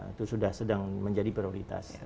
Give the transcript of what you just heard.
itu sudah sedang menjadi prioritas